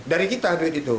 dari kita duit itu